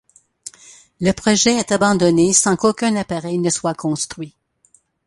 Le projet est abandonné sans qu'aucun appareil ne soit construit.